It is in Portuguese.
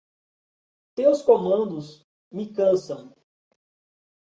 Teus comandos me cansam